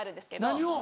何を？